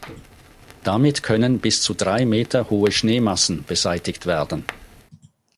Damit können bis zu drei Meter hohe Schneemassen beseitigt werden.